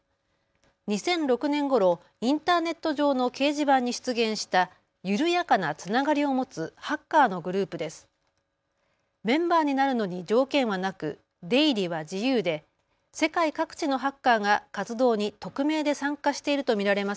２００６年ごろ、インターネット上の掲示板に出現した緩やかなつながりを持つハッカーのグループです。